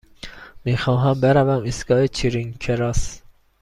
می خواهم بروم ایستگاه چرینگ کراس.